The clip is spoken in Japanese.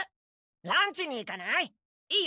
ランチに行かない？